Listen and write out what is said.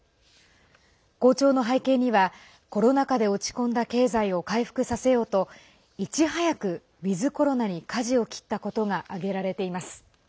好調の背景には、コロナ禍で落ち込んだ経済を回復させようといち早く、ウィズコロナにかじを切ったことが挙げられています。